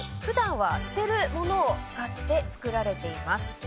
普段は捨てるものを使って作られています。